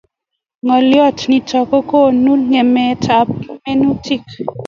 Ngalyo nitok ko konu ngemet ab minutik